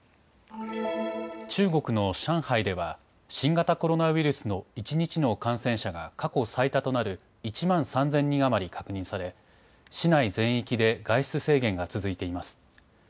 中国の上海では新型コロナウイルスの一日の感染者が過去最多となる１万３０００人余り確認され市内全域で外出制限が続いています。